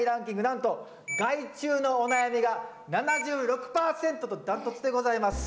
なんと害虫のお悩みが７６％と断トツでございます。